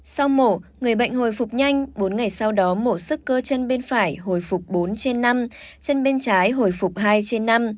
sau mổ người bệnh hồi phục nhanh bốn ngày sau đó mổ sức cơ chân bên phải hồi phục bốn trên năm chân bên trái hồi phục hai trên năm